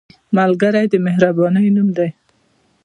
ملګری د مهربانۍ نوم دی